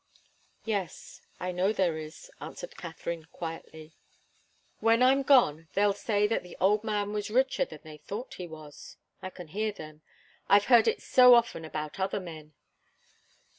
"Yes, I know there is," answered Katharine, quietly. "When I'm gone they'll say that the old man was richer than they thought he was. I can hear them I've heard it so often about other men!